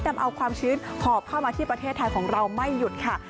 นำเอาความชื้นหอบเข้ามาที่ประเทศไทยของเราไม่หยุดค่ะ